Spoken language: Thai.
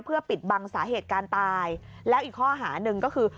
เพื่อปิดบังสาเหตุการณ์ตายแล้วอีกข้อหาหนึ่งก็คือ